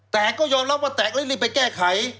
แต่ก็ยอมรับว่าแตกแล้วรีบไปแก้ไข